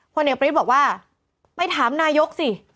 ผู้เอกประวิสบอกว่าไปถามนายกสิ